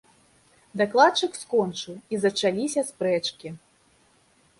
Дакладчык скончыў, і зачаліся спрэчкі.